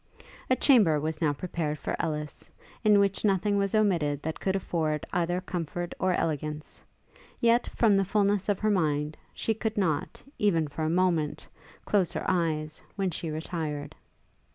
A chamber was now prepared for Ellis, in which nothing was omitted that could afford either comfort or elegance; yet, from the fulness of her mind, she could not, even for a moment, close her eyes, when she retired.